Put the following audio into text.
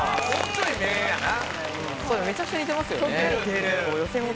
めちゃくちゃ似てますよね。